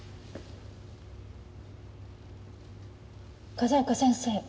風丘先生。